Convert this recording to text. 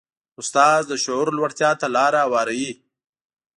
استاد د شعور لوړتیا ته لاره هواروي.